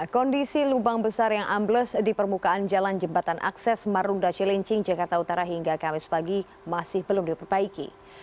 kondisi lubang besar yang ambles di permukaan jalan jembatan akses marunda cilincing jakarta utara hingga kamis pagi masih belum diperbaiki